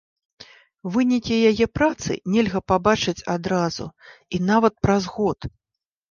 Вынікі яе працы нельга пабачыць адразу, і нават праз год.